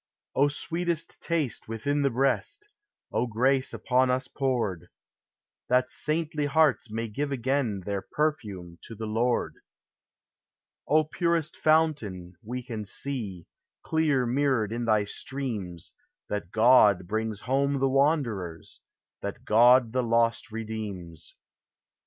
O sweetest taste within the breast, O grace upon us poured, That saintly hearts may give again their perfume to the Lord. O purest fountain! we can see, clear mirrored in thy streams, That God brings home the wanderers, that God the lost redeems.